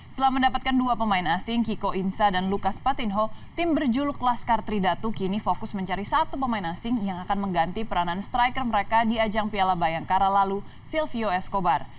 setelah mendapatkan dua pemain asing kiko insa dan lukas patinho tim berjuluk laskar tridatu kini fokus mencari satu pemain asing yang akan mengganti peranan striker mereka di ajang piala bayangkara lalu sylvio eskobar